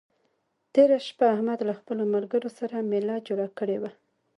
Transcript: تېره شپه احمد له خپلو ملګرو سره مېله جوړه کړې وه.